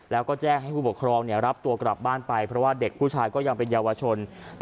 แล้วก็แจ้งให้ผู้ปกครองรับตัวกลับบ้านไปเพราะว่าเด็กผู้ชายก็ยังเป็นเยาวชน